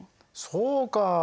そうか。